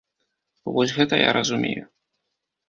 Вось гэта я разумею.